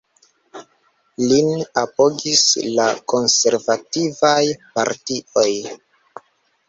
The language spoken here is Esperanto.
Lin apogis la konservativaj partioj.